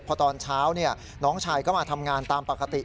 พอตอนเช้าน้องชายก็มาทำงานตามปกติ